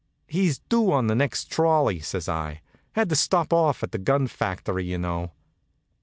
"He's due on the next trolley," says I. "Had to stop off at the gun factory, you know."